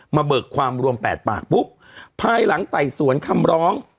เบิกความรวมแปดปากปุ๊บภายหลังไต่สวนคำร้อง